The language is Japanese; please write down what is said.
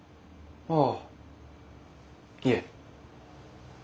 ああいえ。